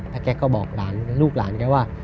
แล้วแกก็บอกหลานลูกหลานแกว่า